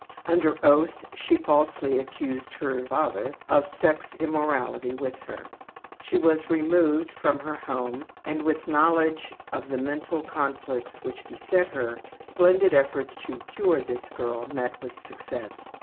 Under oath she falsely accused her ``father'' of sex immorality with her. She was removed from her home, and with knowledge of the mental conflicts which beset her, splendid efforts to ``cure'' this girl met with success.